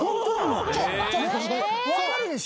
わかるでしょ？